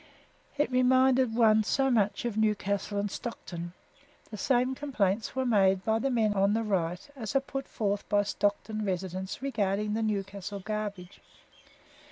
It reminded one so much of Newcastle and Stockton. The same complaints were made by the men on the right as are put forth by Stockton residents regarding the Newcastle garbage.